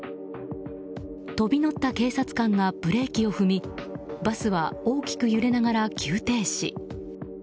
飛び乗った警察官がブレーキを踏みバスは大きく揺れながら急停止。